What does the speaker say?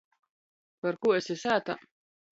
Parkū esi sātā?